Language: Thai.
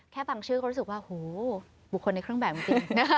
บางชื่อก็รู้สึกว่าโหบุคคลในเครื่องแบบจริง